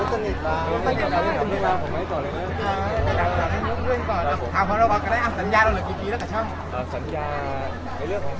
ก็ไม่ได้แฮปปี้อยู่ครับไม่มีอะไรเลยครับ